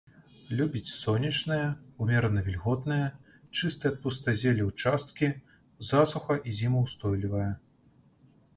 Любіць сонечныя, умерана вільготныя, чыстыя ад пустазелля ўчасткі, засуха- і зімаўстойлівая.